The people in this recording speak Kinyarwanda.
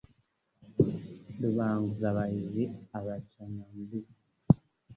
Rubanguza bahizi abaca Nyambisi,